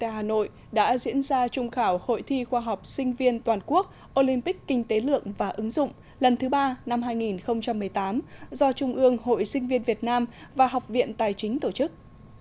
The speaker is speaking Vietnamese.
hà nội đã diễn ra trung khảo hội thi khoa học sinh viên toàn quốc olympic kinh tế lượng và ứng dụng lần thứ ba năm hai nghìn một mươi tám do trung ương hội sinh viên việt nam và học viện tài chính tổ chức